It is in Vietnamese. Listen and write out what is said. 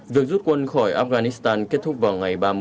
việc rút quân khỏi afghanistan kết thúc vào ngày ba mươi